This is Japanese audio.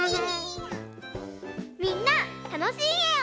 みんなたのしいえを。